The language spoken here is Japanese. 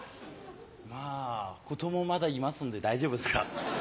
まぁ子供まだいますんで大丈夫ですか？